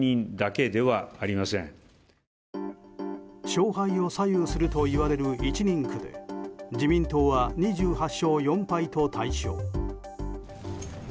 勝敗を左右するといわれる１人区では自民党は２８勝４敗と大勝。